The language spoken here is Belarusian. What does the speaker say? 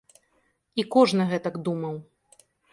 І кожны гэтак думаў.